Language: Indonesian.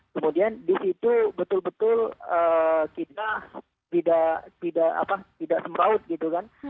kemudian di situ betul betul kita tidak semeraut gitu kan